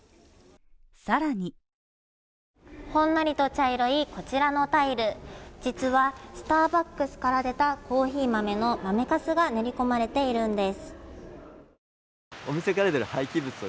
さらに、ほんのりと茶色いこちらのタイル、実はスターバックスから出たコーヒー豆の豆カスが練り込まれているんです。